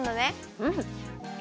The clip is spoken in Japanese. うん。